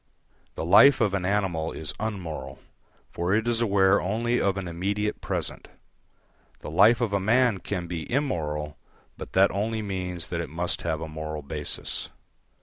The life of an animal is unmoral, for it is aware only of an immediate present; the life of a man can be immoral, but that only means that it must have a moral basis.